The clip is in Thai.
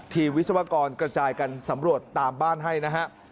วิศวกรกระจายกันสำรวจตามบ้านให้นะฮะ